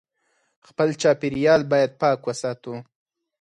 خپل چاپېریال باید پاک وساتو